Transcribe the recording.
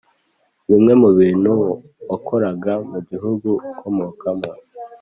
Bimwe mu bintu wakoraga mu gihugu ukomokamo